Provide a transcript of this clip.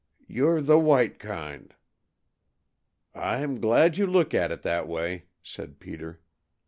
"You 're the white kind." "I'm glad you look at it that way," said Peter.